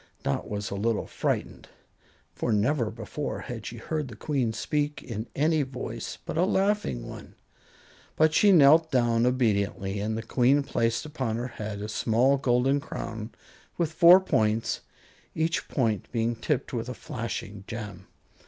Dot was a little frightened, for never before had she heard the Queen speak in any voice but a laughing one; but she knelt down obediently, and the Queen placed upon her head a small golden crown with four points, each point being tipped with a flashing gem.